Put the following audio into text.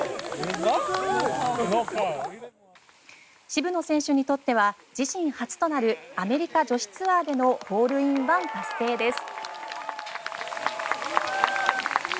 渋野選手にとっては自身初となるアメリカ女子ツアーでのホールインワン達成です。